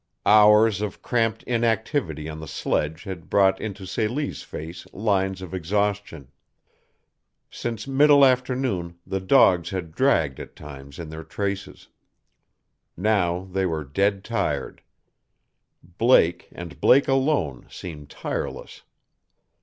Hours of cramped inactivity on the sledge had brought into Celie's face lines of exhaustion. Since middle afternoon the dogs had dragged at times in their traces. Now they were dead tired. Blake, and Blake alone, seemed tireless.